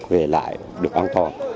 về lại được an toàn